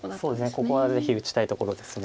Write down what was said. ここはぜひ打ちたいところです。